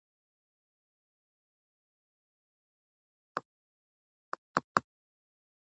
په پاکستان کښې چې ورته آى اس آى وايي.